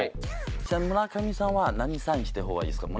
村上さんは何てサインした方がいいですか？